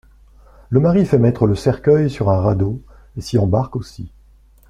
Le mari fait mettre le cercueil sur un radeau et s'y embarque aussi.